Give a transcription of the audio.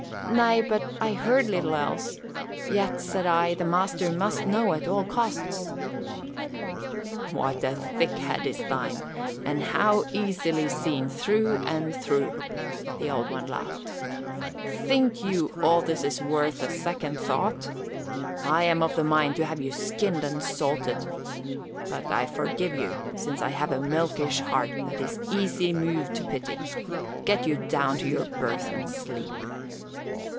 "Nay, but I heard little else. Yet, said I, the master must know at all costs." "What a thick head is thine and how easily seen through and through!" The Old One laughed. "Think you all this is worth a second thought? I am of the mind to have you skinned and salted. But I forgive you, since I have a milkish heart that is easy moved to pity. Get you down to your berth and sleep."